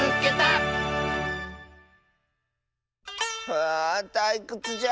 はあたいくつじゃ。